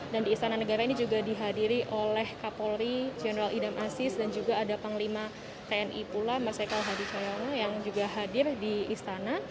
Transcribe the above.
dan di istana negara ini juga dihadiri oleh kapolri jenderal idam asis dan juga ada panglima tni pula mas ekal hadi coyono yang juga hadir di istana